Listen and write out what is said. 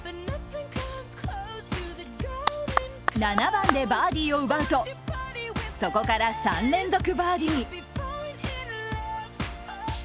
７番でバーディーを奪うと、そこから３連続バーディー。